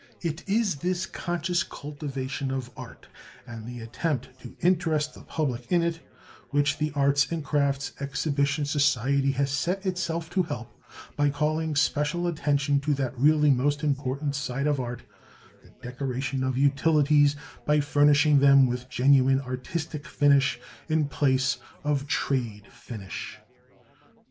It is this conscious cultivation of art and the attempt to interest the public in it which the Arts and Crafts Exhibition Society has set itself to help, by calling special attention to that really most important side of art, the decoration of utilities by furnishing them with genuine artistic finish in place of trade finish.